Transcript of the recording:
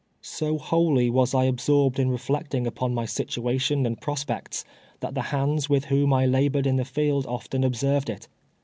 So wholly was I absorbed in reflecting upon my sit uation and prospects, that the hands w^itli whom I la bored in the field often obseryed it.